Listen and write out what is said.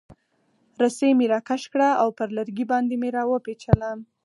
رسۍ مې راکش کړه او پر لرګي باندې مې را وپیچله.